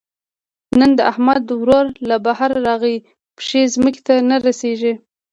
نن د احمد ورور له بهر راغی؛ پښې ځمکې ته نه رسېږي.